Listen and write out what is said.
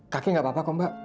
kakek nggak apa apa kok mbak